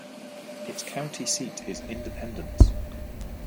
Its county seat is Independence.